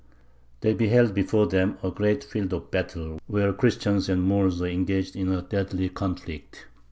"They beheld before them a great field of battle, where Christians and Moors were engaged in deadly conflict.